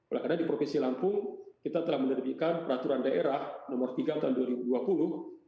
oleh karena di provinsi lampung kita telah menerbitkan peraturan daerah nomor tiga tahun dua ribu dua puluh